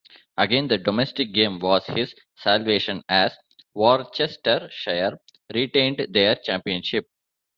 Again, the domestic game was his salvation as Worcestershire retained their Championship.